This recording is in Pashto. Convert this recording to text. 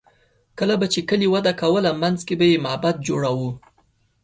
کله به چې کلي وده کوله، منځ کې به یې معبد جوړاوه.